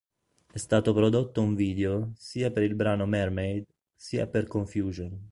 È stato prodotto un video sia per il brano "Mermaid" sia per "Confusion".